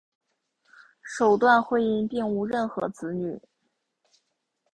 首段婚姻并无任何子女。